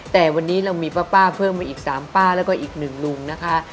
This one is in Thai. แต่วันนี้เรามีป้าเพิ่มมาอีก๓ป้าแล้วก็อีกหนึ่งลุงนะคะ